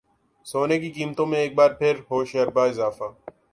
سونے کی قیمتوں میں ایک بار پھر ہوشربا اضافہ